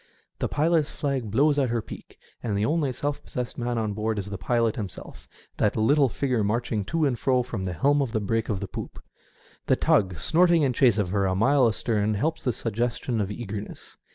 The pilots flag blows at her peak; and the only self pos sessed man on board is the pilot himself — that little figure marching to and fro from the helm to the break of the poop. The tug snorting in chase of her a mile astern helps the suggestion of eagerness.